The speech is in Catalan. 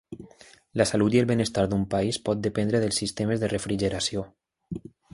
La salut i el benestar d'un país pot dependre dels sistemes de refrigeració.